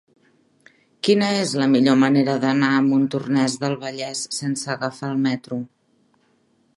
Quina és la millor manera d'anar a Montornès del Vallès sense agafar el metro?